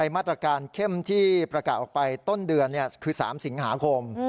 มาตรการเข้มที่ประกาศออกไปต้นเดือนคือ๓สิงหาคม